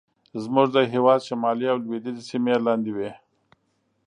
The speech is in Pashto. زموږ د هېواد شمالي او لوېدیځې سیمې یې لاندې وې.